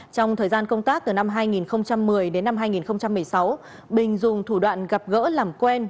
trong thời gian công tác từ năm hai nghìn một mươi đến năm hai nghìn một mươi sáu bình dùng thủ đoạn gặp gỡ làm quen